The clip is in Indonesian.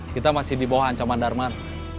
kita masih di bawah ancaman darman